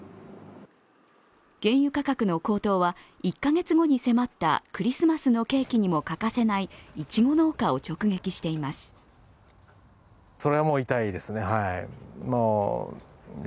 原油価格の高騰は１カ月後の迫ったクリスマスのケーキにも欠かせない千葉市若葉区にあるいちご農園。